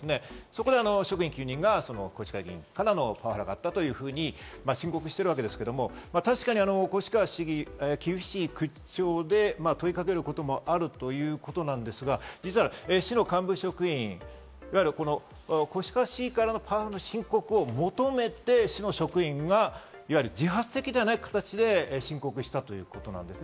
そこで職員９人がパワハラがあったというふうに申告しているわけですが、確かに越川市議、厳しい口調で問いかけることもあるということなんですが、実は市の幹部職員、越川市議からの申告を求めて、市の職員が自発的ではない形で申告したということなんです。